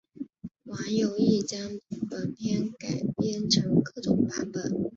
网友亦将本片改编成各种版本。